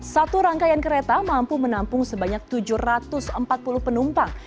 satu rangkaian kereta mampu menampung sebanyak tujuh ratus empat puluh penumpang